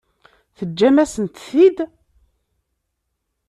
Teǧǧam-asent-t-id?